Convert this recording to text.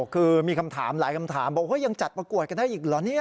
คือมีคำถามหลายคำถามบอกยังจัดประกวดกันได้อีกเหรอเนี่ย